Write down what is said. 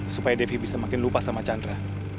supaya devi bisa makin lupa sama chandra